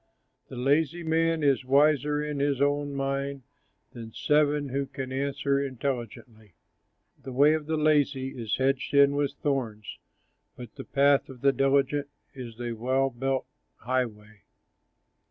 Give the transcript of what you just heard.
The lazy man is wiser in his own mind, Than seven who can answer intelligently. The way of the lazy is hedged in with thorns, But the path of the diligent is a well built highway.